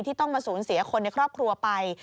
ต้องมาสูญเสียคนในครอบครัวไป